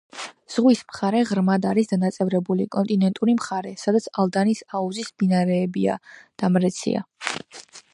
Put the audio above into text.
ზღვის მხარე ღრმად არს დანაწევრებული, კონტინენტური მხარე, სადაც ალდანის აუზის მდინარეებია, დამრეცია.